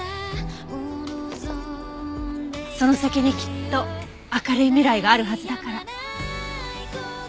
「その先にきっと明るい未来があるはずだから」。